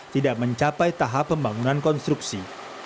tidak mencapai tahap pembangunan konstruksi